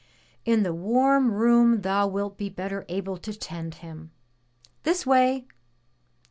In the warm room thou wilt be better able to tend him. This way!''